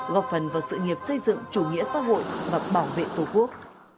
góp phần vào sự nghiệp xây dựng chủ nghĩa xã hội và bảo vệ tổ quốc